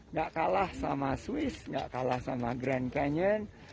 nggak kalah sama swiss nggak kalah sama grand canyon